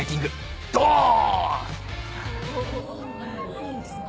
いいですね。